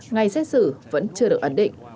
ngay xét xử vẫn chưa được ẩn định